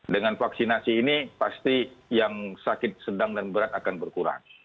dengan vaksinasi ini pasti yang sakit sedang dan berat akan berkurang